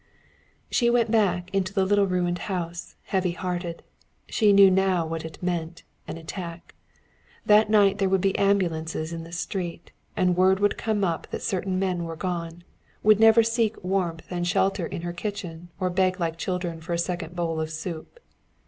She went back into the little ruined house, heavy hearted. She knew now what it meant, an attack. That night there would be ambulances in the street, and word would come up that certain men were gone would never seek warmth and shelter in her kitchen or beg like children for a second bowl of soup.